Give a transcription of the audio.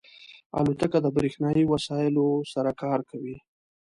الوتکه د بریښنایی وسایلو سره کار کوي.